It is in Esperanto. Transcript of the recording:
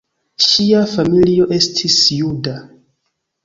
Ŝia familio estis juda.